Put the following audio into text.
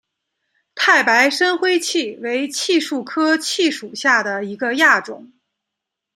太白深灰槭为槭树科槭属下的一个亚种。